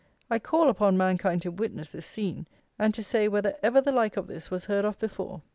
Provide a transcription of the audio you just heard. I call upon mankind to witness this scene; and to say, whether ever the like of this was heard of before.